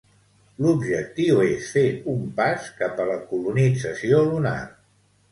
L'objectiu és fer un pas cap a la colonització lunar.